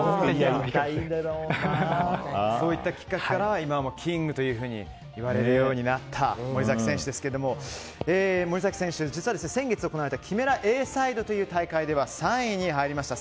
そういったきっかけから今はキングというふうに言われるようになった森崎選手ですけれども実は先月行われたキメラエーサイドという大会では３位に入りました。